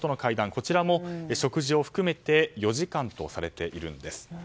こちらも食事を含めて４時間とされているんです。